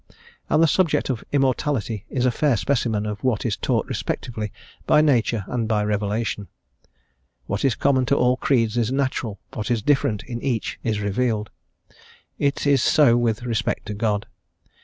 And the subject of immortality is a fair specimen of what is taught respectively by nature and by revelation; what is common to all creeds is natural, what is different in each is revealed. It is so with respect to God.